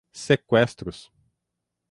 Seqüestros